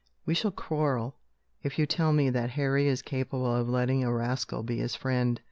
We shall quarrel, if you tell me that Harry is capable of letting a rascal be his friend.